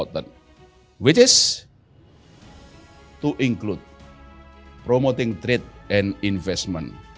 yaitu untuk mengikuti promosi trade dan investasi